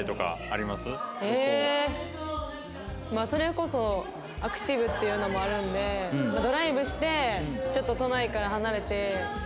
それこそアクティブっていうのもあるんでドライブしてちょっと都内から離れて。